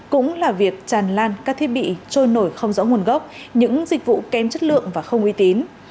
cũng là việc tràn lan các thiết bị trôi nổi không rõ nguồn gốc những dịch vụ kém chất lượng và không uy tín